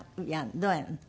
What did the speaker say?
どうやるの？